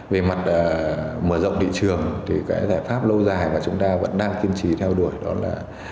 về mặt mở rộng thị trường thì cái giải pháp lâu dài mà chúng ta vẫn đang kiên trì theo đuổi đó là